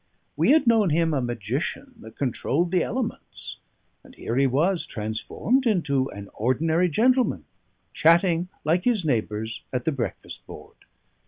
We had known him a magician that controlled the elements; and here he was, transformed into an ordinary gentleman, chatting like his neighbours at the breakfast board.